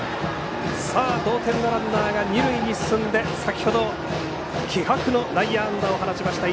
同点のランナーが二塁に進んで先ほど気迫の内野安打を放ちました